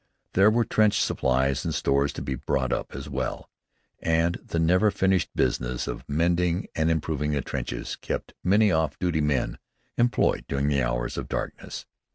There were trench supplies and stores to be brought up as well, and the never finished business of mending and improving the trenches kept many off duty men employed during the hours of darkness.